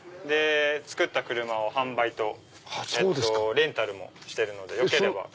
造った車を販売とレンタルもしてるので。